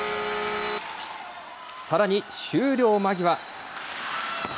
さらに終了間際。